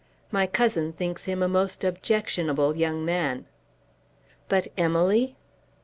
My cousin thinks him a most objectionable young man." "But Emily?"